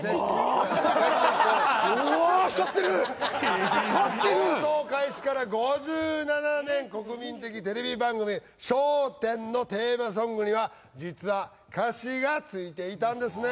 関くんおお光ってる光ってる放送開始から５７年国民的テレビ番組「笑点」のテーマソングには実は歌詞がついていたんですね